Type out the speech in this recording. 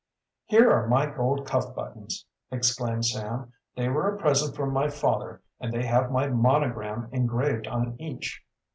"Here are my gold cuff buttons!" exclaimed Sam. "They were a present from my father and they have my monogram engraved on each."